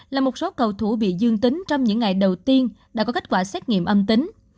là một số cầu thủ bị dương tính trong những ngày đầu tiên đã có kết quả xét nghiệm âm tính